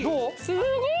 すごい！